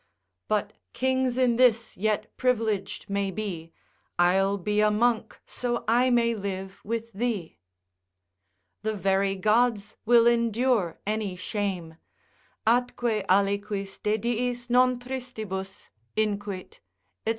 But kings in this yet privileg'd may be, I'll be a monk so I may live with thee. The very Gods will endure any shame (atque aliquis de diis non tristibus inquit, &c.)